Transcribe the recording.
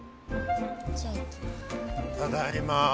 ただいま。